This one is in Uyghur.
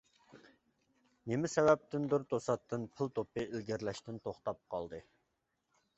نېمە سەۋەبتىندۇر، توساتتىن پىل توپى ئىلگىرىلەشتىن توختاپ قالدى.